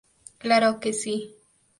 Claro que sí.